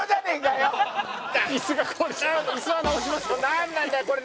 なんなんだよこれ！